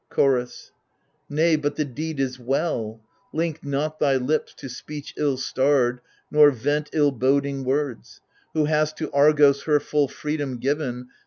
Chorus Nay, but the deed is well ; link not thy lips To speech ill starred, nor vent ill boding words — Who hast to Argos her full freedom given.